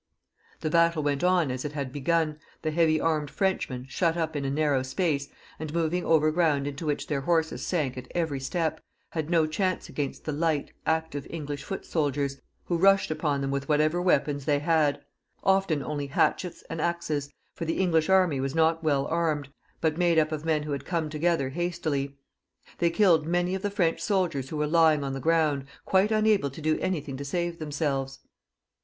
The battle went on as it had begun, the heavy armed Frenchmen, shut up in a narrow space, and moving over ground into which their horses sank at every step, had no chance against the light, active, EngUsh foot soldiers, who rushed upon them with whatever weapons they had ; often only hatchets and axes, for the English army was not well armed, but made up of men who had come together hastily. They kiQed many of the French soldiers who were lying on the ground, quite unable to do any thing to save themselves.